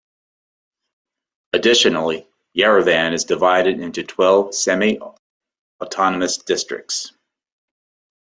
Additionally, Yerevan is divided into twelve semi-autonomous districts.